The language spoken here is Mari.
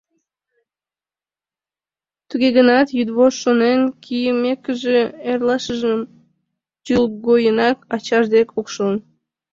Туге гынат, йӱдвошт шонен кийымекыже, эрлашыжым тӱлгойынак ачаж дек ошкылын.